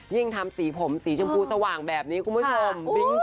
ทำสีผมสีชมพูสว่างแบบนี้คุณผู้ชม